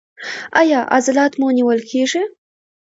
ایا عضلات مو نیول کیږي؟